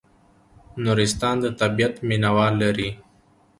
نورستان د طبیعت مینه وال لري